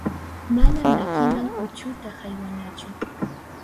Mana makiman uchuta haywanachu.